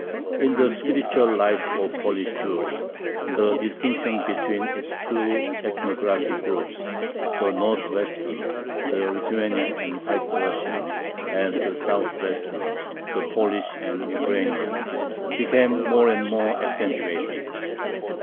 In the spiritual life of Polish Jewry the distinction between its two ethnographic groups, the northwestern, the Lithuanian and White Russian, and the southwestern, the Polish and Ukrainian, became more and more accentuated.